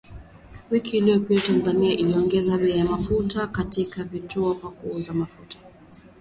Wiki iliyopita, Tanzania iliongeza bei ya mafuta katika vituo vya kuuzia mafuta